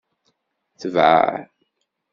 Tbeɛ!